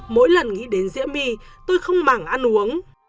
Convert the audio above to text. mỗi lần nghĩ đến diễm my tôi không mảng ăn uống